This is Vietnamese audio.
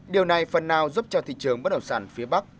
điều này phần nào giúp cho thị trường bất động sản phía bắc